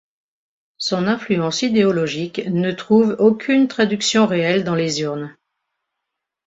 Son influence idéologique ne trouve aucune traduction réelle dans les urnes.